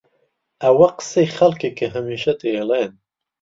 ئەوە قسەی خەڵکە کە هەمیشە دەیڵێن.